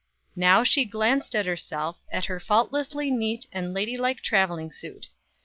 Now she glanced at herself, at her faultlessly neat and ladylike traveling suit.